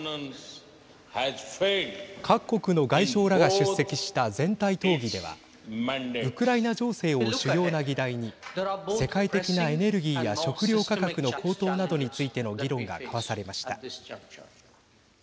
各国の外相らが出席した全体討議ではウクライナ情勢を主要な議題に世界的なエネルギーや食料価格の高騰などについての議論が交わされました。